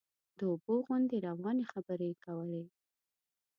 د اوبو غوندې روانې خبرې یې کولې.